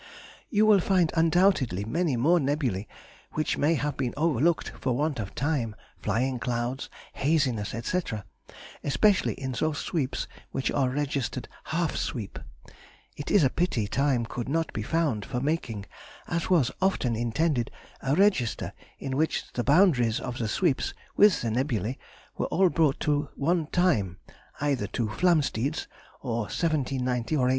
You will find undoubtedly many more nebulæ which may have been overlooked for want of time, flying clouds, haziness, &c., especially in those sweeps which are registered half sweep. It is a pity time could not be found for making, as was often intended, a register in which the boundaries of the sweeps, with the nebulæ, were all brought to one time, either to Flamsteed's or 1790 or 1800.